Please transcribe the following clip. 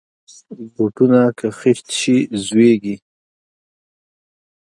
بوټونه که خیشت شي، زویږي.